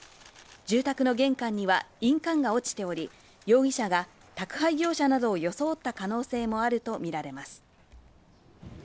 住宅の玄関には印鑑が落ちており、容疑者が宅配業者などを装った可能性もあるとみられます。